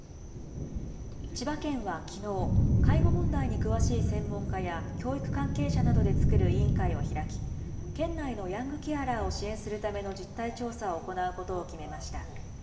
千葉県はきのう、介護問題に詳しい専門家や教育関係者などで作る委員会を開き、県内のヤングケアラーを支援するための実態調査を行うことを決めました。